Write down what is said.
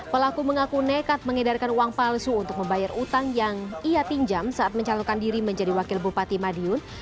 pelaku mengaku nekat mengedarkan uang palsu untuk membayar utang yang ia pinjam saat mencalonkan diri menjadi wakil bupati madiun